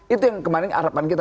itu yang kemarin harapan kita